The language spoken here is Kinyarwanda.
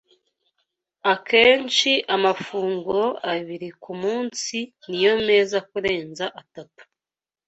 Akenshi, amafunguro abiri ku munsi ni yo meza kurenza atatu